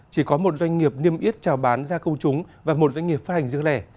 chỉ có một doanh nghiệp niêm yết trào bán ra công chúng và một doanh nghiệp phát hành riêng lẻ